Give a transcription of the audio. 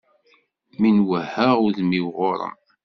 Mi n-wehheɣ udem-iw ɣur-m.